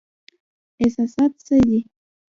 احساسات څه دي؟